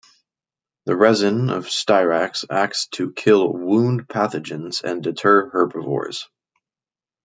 The resin of "Styrax" acts to kill wound pathogens and deter herbivores.